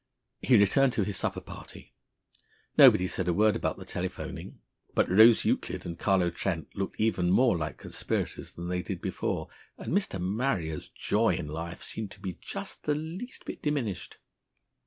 He returned to his supper party. Nobody said a word about the telephoning. But Rose Euclid and Carlo Trent looked even more like conspirators than they did before; and Mr. Marrier's joy in life seemed to be just the least bit diminished.